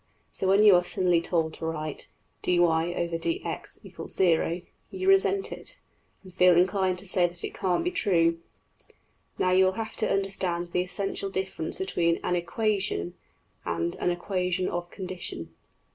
So, when you are suddenly told to write \[ \frac{dy}{dx} = 0, \] you resent it, and feel inclined to say that it can't be true. Now you will have to understand the essential difference between ``an equation,'' and ``an equation of condition.''